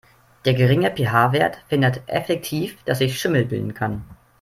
Der geringe PH-Wert verhindert effektiv, dass sich Schimmel bilden kann.